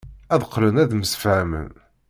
Ad qqlen ad msefhamen.